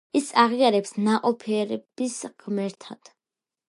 ის აღიარეს ნაყოფიერების ღმერთად.